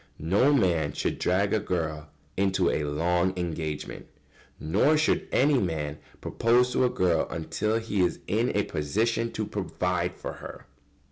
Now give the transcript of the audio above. ] No man should drag a girl into a long engagement. Nor should any man propose to a girl until he is in a position to provide for her.